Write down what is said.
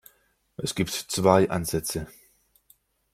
Es gibt zwei Ansätze.